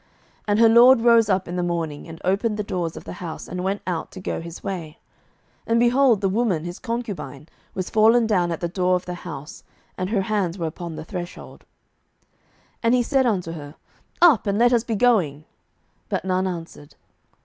07:019:027 And her lord rose up in the morning, and opened the doors of the house, and went out to go his way: and, behold, the woman his concubine was fallen down at the door of the house, and her hands were upon the threshold. 07:019:028 And he said unto her, Up, and let us be going. But none answered.